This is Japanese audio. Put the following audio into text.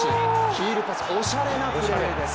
ヒールパス、おしゃれなプレー。